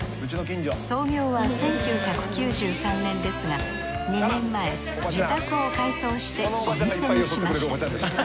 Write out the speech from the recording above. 創業は１９９３年ですが２年前自宅を改装してお店にしました。